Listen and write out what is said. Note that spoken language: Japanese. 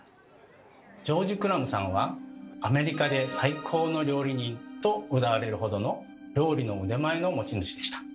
ジョージ・クラムさんは「アメリカで最高の料理人」とうたわれるほどの料理の腕前の持ち主でした。